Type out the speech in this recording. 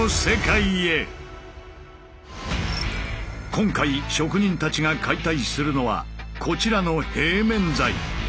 今回職人たちが解体するのはこちらの平面材。